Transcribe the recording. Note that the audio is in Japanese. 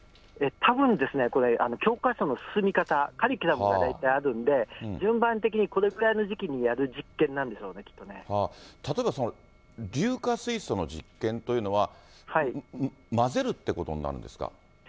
たぶんですね、これ、教科書の進み方、カリキュラムが大体あるんで、順番的にこれくらいの時期にやる実験なんでしょうね、例えばその、硫化水素の実験というのは、混ぜるってことになるんですか。